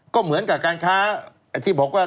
ก็เหมือนกับการค้าที่บอกว่า